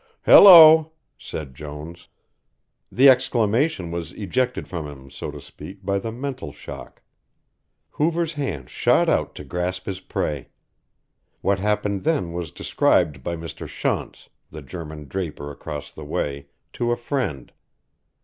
"Hello!" said Jones. The exclamation was ejected from him so to speak, by the mental shock. Hoover's hand shot out to grasp his prey. What happened then was described by Mr. Shonts, the German draper across the way, to a friend.